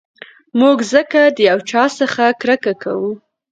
موږ ځکه د یو چا څخه کرکه کوو.